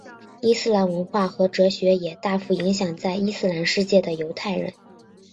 伊斯兰文化和哲学也大幅影响在伊斯兰世界的犹太人。